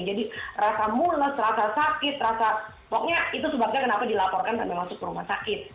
jadi rasa mulas rasa sakit makanya itu sebabnya kenapa dilaporkan sambil masuk ke rumah sakit